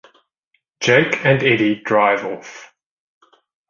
Jake and Eddie drive off.